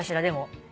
でも。